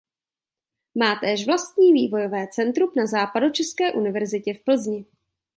Má též vlastní vývojové centrum na Západočeské univerzitě v Plzni.